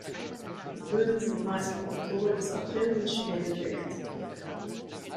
Die Böden sind meist von Oktober bis April mit Schnee bedeckt.